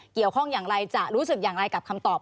เกี่ยวข้องอย่างไรจะรู้สึกอย่างไรกับคำตอบ